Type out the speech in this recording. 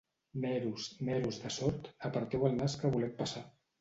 Neros, neros de Sort, aparteu el nas que volem passar.